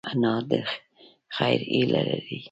انا د خیر هیله لري